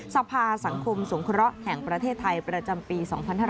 สภาสังคมสงเคราะห์แห่งประเทศไทยประจำปี๒๕๕๙